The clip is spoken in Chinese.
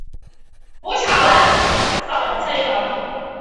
克雷洛夫子空间法通常和一个预条件算子和一个内牛顿迭代一起使用。